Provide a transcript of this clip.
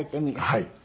はい。